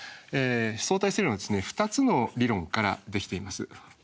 相対性理論は２つの理論からできています。